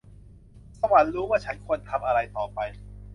สวรรค์รู้ว่าฉันควรทำอะไรต่อไป